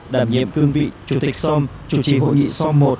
đảm nhiệm cương vị chủ tịch som chủ trì hội nghị so một